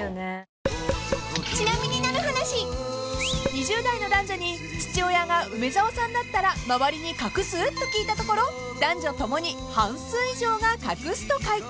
［２０代の男女に「父親が梅沢さんだったら周りに隠す？」と聞いたところ男女ともに半数以上が隠すと回答］